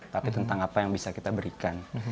tapi tentang apa yang bisa kita berikan